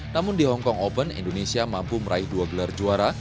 namun di hongkong open indonesia mampu meraih dua gelar juara